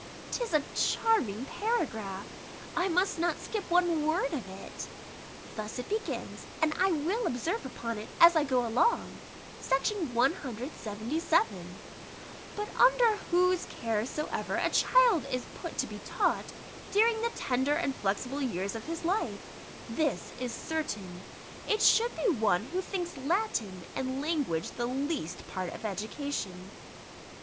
'Tis a charming paragraph; I must not skip one word of it. Thus it begins, and I will observe upon it as I go along. § 177: "But under whose care soever a child is put to be taught, during the tender and flexible years of his life, this is certain, it should be one who thinks Latin and language the least part of education."